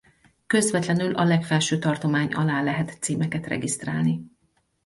Közvetlenül a legfelső tartomány alá lehet címeket regisztrálni.